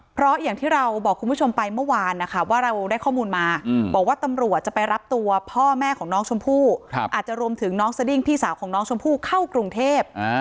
เพราะอย่างที่เราบอกคุณผู้ชมไปเมื่อวานนะคะว่าเราได้ข้อมูลมาบอกว่าตำรวจจะไปรับตัวพ่อแม่ของน้องชมพู่อาจจะรวมถึงน้องสดิ้งพี่สาวของน้องชมพู่เข้ากรุงเทพ